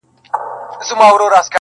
دا جذبه د ښځې نسوانیت ډیروي